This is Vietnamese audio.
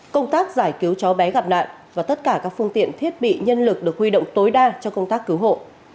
công tác giải cứu cháu bé gặp nạn và tất cả các phương tiện thiết bị nhân lực được huy động tối đa cho công tác cứu hộ